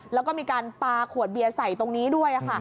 แล้วก็มีการปลาขวดเบียร์ใส่ตรงนี้ด้วย